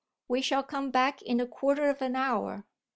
"We shall come back in a quarter of an hour.